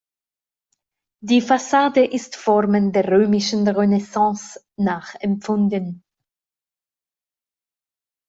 Die Fassade ist Formen der römischen Renaissance nachempfunden.